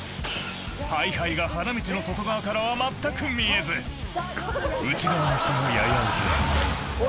はいはいが花道の外側からは全く見えず内側の人もややウケ